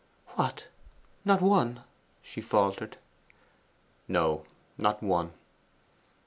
'What, not one?' she faltered. 'No; not one.